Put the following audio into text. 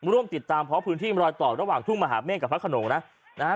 ร่วมติดตามเพราะพื้นที่รอยต่อระหว่างทุ่งมหาเมฆกับพระขนงนะนะฮะ